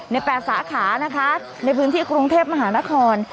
๘สาขานะคะในพื้นที่กรุงเทพมหานคร